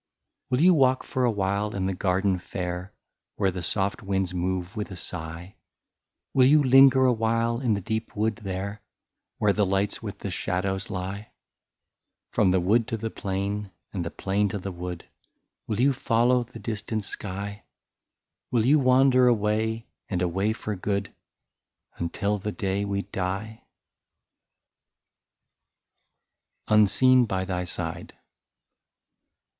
" Will you walk for a while in the garden fair, Where the soft winds move with a sigh ; Will you linger awhile in the deep wood there, Where the lights with the shadows lie ;" Thro' the wood to the plain, and the plain to the wood, Will you follow the distant sky ; Will you wander away and away for good. Until the day we die ?" 31 UNSEEN BY THY SIDE.